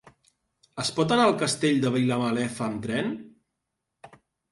Es pot anar al Castell de Vilamalefa amb tren?